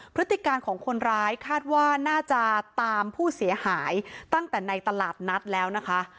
พฤติการของคนร้ายคาดว่าน่าจะตามผู้เสียหายตั้งแต่ในตลาดนัดแล้วนะคะ